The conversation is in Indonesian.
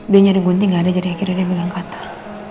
dia nyari gunting nggak ada jadi akhirnya dia megang katar